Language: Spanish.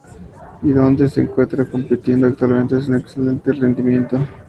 Y donde se encuentran compitiendo actualmente con un excelente rendimiento.